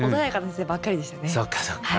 そっかそっか。